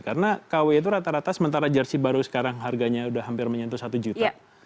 karena kw itu rata rata sementara jersi baru sekarang harganya sudah hampir menyentuh satu juta